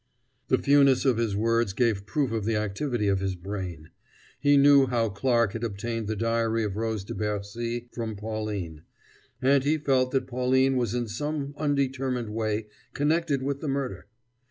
The fewness of his words gave proof of the activity of his brain. He knew how Clarke had obtained the diary of Rose de Bercy from Pauline, and he felt that Pauline was in some undetermined way connected with the murder.